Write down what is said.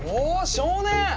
少年！